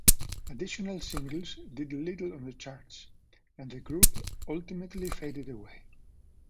Additional singles did little on the charts, and the group ultimately faded away.